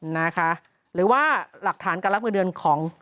นะฮะหรือว่าหลักฐานการลักษณ์เมื่อเดือนของ